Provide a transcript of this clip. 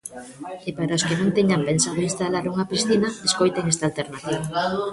E para os que non teñan pensado instalar unha piscina, escoiten esta alternativa.